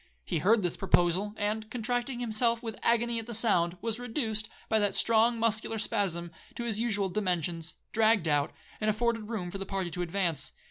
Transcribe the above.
He heard this proposal, and, contracting himself with agony at the sound, was reduced, by that strong muscular spasm, to his usual dimensions, dragged out, and afforded room for the party to advance.